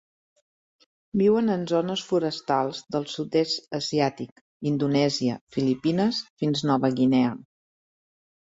Viuen en zones forestals del sud-est asiàtic, Indonèsia, Filipines, fins Nova Guinea.